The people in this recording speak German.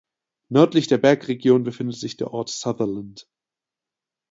Nördlich der Bergregion befindet sich der Ort Sutherland.